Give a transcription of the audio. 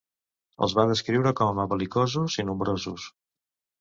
Els va descriure com a bel·licosos i nombrosos.